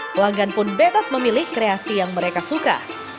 pelanggan pun bebas memilih kreasi yang mereka suka